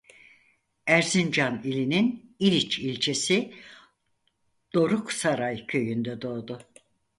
Erzincan ilinin İliç ilçesi Doruksaray köyünde doğdu.